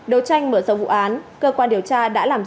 đấu tranh mở rộng vụ án cơ quan điều tra đã làm rõ